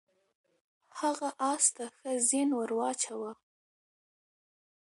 هغه اس ته ښه زین ور واچاوه.